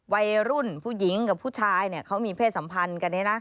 วัยรุ่นผู้หญิงกับผู้ชายเขามีเพศสัมพันธ์กันนี้นะ